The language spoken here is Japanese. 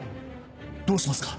どうしますか？